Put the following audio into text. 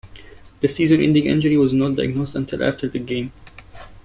The season-ending injury was not diagnosed until after the game.